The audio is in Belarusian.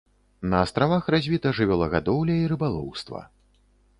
На астравах развіта жывёлагадоўля і рыбалоўства.